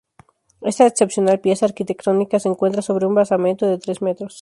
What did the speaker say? Esta excepcional pieza arquitectónica se encuentra sobre un basamento de tres metros.